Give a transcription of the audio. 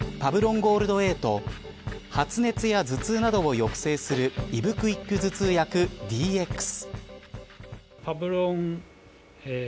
ゴールドＡと発熱や頭痛などを抑制するイブクイック頭痛薬ＤＸ。